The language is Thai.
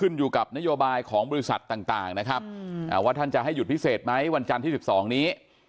อยู่กับนโยบายของบริษัทต่างนะครับว่าท่านจะให้หยุดพิเศษไหมวันจันทร์ที่๑๒นี้